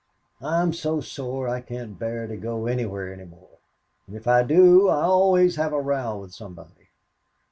I'm so sore I can't bear to go anywhere any more, and if I do I always have a row with somebody.